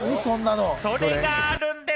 それがあるんでぃす！